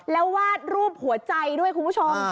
แล้ววาดรูปหัวใจด้วยคุณผู้ชม